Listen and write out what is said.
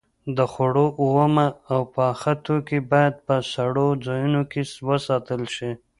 د خوړو اومه او پاخه توکي باید په سړو ځایونو کې وساتل شي.